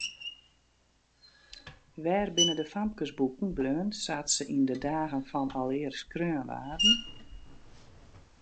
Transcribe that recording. Wêr binne de famkesboeken bleaun sa't se yn de dagen fan alear skreaun waarden?